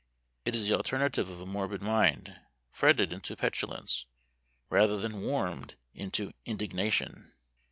It is the alternative of a morbid mind, fretted into petulance, rather than warmed into indignation.